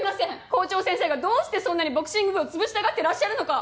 校長先生がどうしてそんなにボクシング部を潰したがってらっしゃるのか。